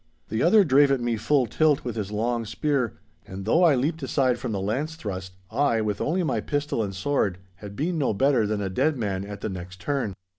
The other drave at me full tilt with his long spear, and though I leapt aside from the lance thrust, I, with only my pistol and sword, had been no better than a dead man at the next turn.